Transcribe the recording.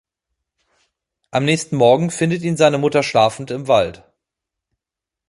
Am nächsten Morgen findet ihn seine Mutter schlafend im Wald.